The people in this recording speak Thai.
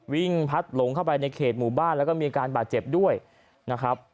พัดหลงเข้าไปในเขตหมู่บ้านแล้วก็มีอาการบาดเจ็บด้วยนะครับ